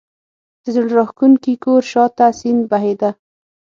د زړه راکښونکي کور شا ته سیند بهېده.